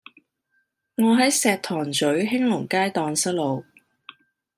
我喺石塘咀興隆西街盪失路